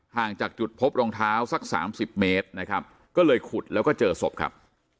ห่างจากจุดพบรองเท้าสักสามสิบเมตรนะครับก็เลยขุดแล้วก็เจอศพครับ